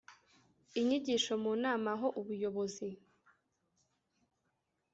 Inyigisho mu nama aho ubuyobozi